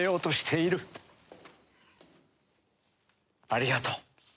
ありがとう。